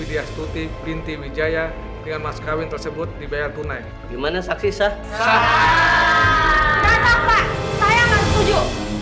datang pak saya masih setuju